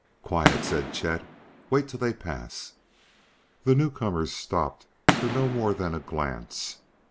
"Quiet!" said Chet. "Wait till they pass!" The newcomers stopped for no more than a glance.